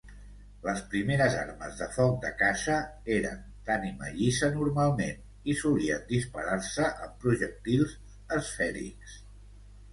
Les primeres armes de foc de caça eren d'ànima llisa normalment, i solien disparar-se amb projectils esfèrics.